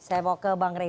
saya mau ke bang rey